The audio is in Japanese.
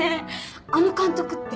あの監督って。